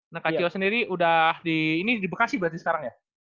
nah kacio sendiri udah di ini di bekasi berarti sekarang ya